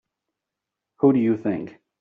Who do you think?